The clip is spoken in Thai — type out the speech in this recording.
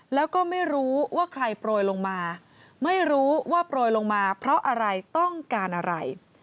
แล้วก็ไม่รู้ว่าใครโปรยลงมาไม่รู้ว่าโปรยลงมาเพราะอะไรต้องการอะไร